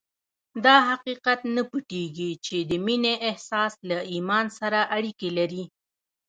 دا حقیقت نه پټېږي چې د مینې احساس له ایمان سره اړیکې لري